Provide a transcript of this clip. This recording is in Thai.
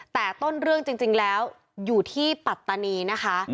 แต่ต้นเรื่องจริงแล้วอยู่ที่ปัตตานีนะคะ